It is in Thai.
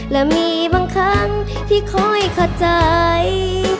และมีบางครั้งที่คอยเข้าใจ